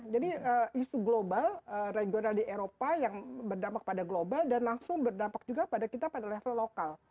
jadi isu global regional di eropa yang berdampak pada global dan langsung berdampak juga pada kita pada level lokal